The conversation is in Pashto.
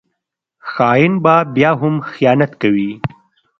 خاین به بیا هم خیانت کوي